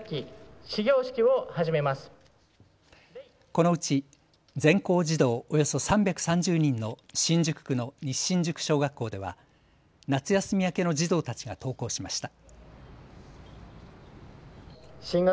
このうち全校児童およそ３３０人の新宿区の西新宿小学校では夏休み明けの児童たちが登校しました。